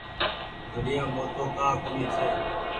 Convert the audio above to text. گهڙيآ موٽو ڪآ ڪونيٚ ڇي ۔